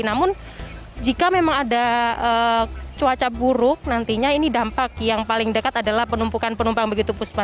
namun jika memang ada cuaca buruk nantinya ini dampak yang paling dekat adalah penumpukan penumpang begitu puspa